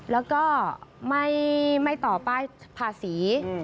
แล้วก็ไม่ต่อป้ายภาษี